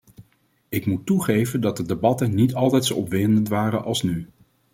Ik moet toegeven dat de debatten niet altijd zo opwindend waren als nu.